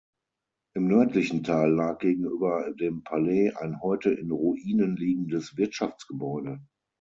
Im nördlichen Teil lag gegenüber dem Palas ein heute in Ruinen liegendes Wirtschaftsgebäude.